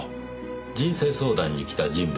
人生相談に来た人物